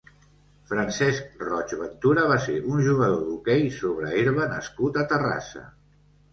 Francesc Roig Ventura va ser un jugador d'hoquei sobre herba nascut a Terrassa.